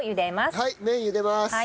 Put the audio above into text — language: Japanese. はい麺茹でます。